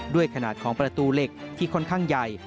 ขนาดของประตูเหล็กที่ค่อนข้างใหญ่